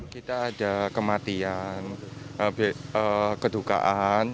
kita ada kematian ketukaan